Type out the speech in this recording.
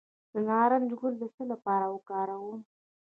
د نارنج ګل د څه لپاره وکاروم؟